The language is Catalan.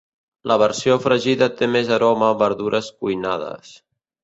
La versió fregida té més aroma a verdures cuinades.